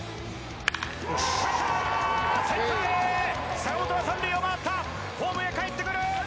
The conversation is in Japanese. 坂本が３塁を回ったホームへかえってくる！